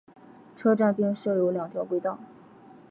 车站并设有两条轨道。